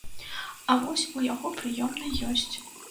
А вось у яго прыёмнай ёсць.